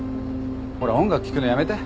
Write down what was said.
ほら音楽聴くのやめて。